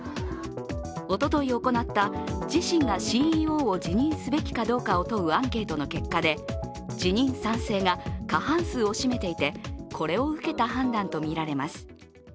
おととい行った、自身がＣＥＯを辞任すべきかどうかを問うアンケートの結果で辞任賛成が過半数を占めていてこれを受けた判断とみられます。